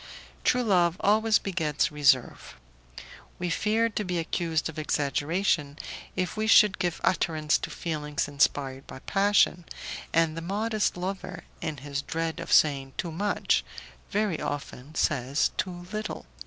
True love always begets reserve; we fear to be accused of exaggeration if we should give utterance to feelings inspired, by passion, and the modest lover, in his dread of saying too much, very often says too little.